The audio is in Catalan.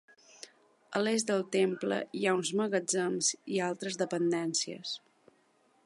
A l'est del temple, hi ha uns magatzems i altres dependències.